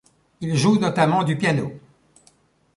Il joue notamment du piano.